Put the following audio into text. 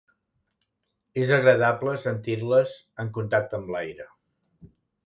És agradable sentir-les en contacte amb l'aire.